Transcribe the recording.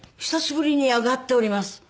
久しぶりに上がっております。